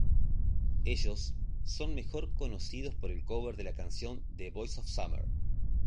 Ellos son mejor conocidos por el cover de la canción "The boys of summer".